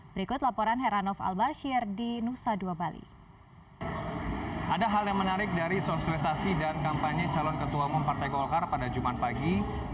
berikut laporan heranov al bashir di nusa dua bali